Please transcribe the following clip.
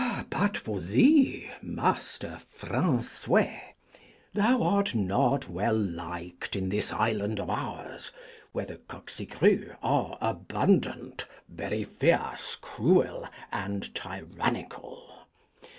But for thee, Master Francoys, thou art not well liked in this island of ours, where the Coqcigrues are abundant, very fierce, cruel, and tyrannical.